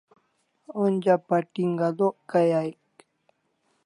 onja pating'alok kay aik